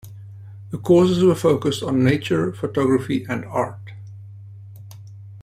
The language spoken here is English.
The courses were focused on nature, photography and art.